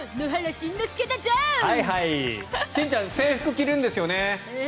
しんちゃん制服着るんですよね？